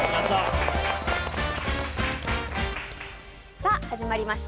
さあ、始まりました